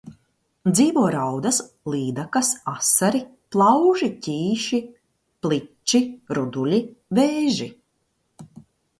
Dzīvo raudas, līdakas, asari, plauži, ķīši, pliči, ruduļi, vēži.